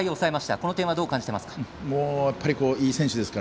この点はどう感じてますか。